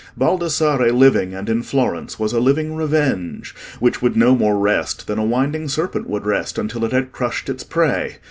Baldassarre living, and in Florence, was a living revenge, which would no more rest than a winding serpent would rest until it had crushed its prey.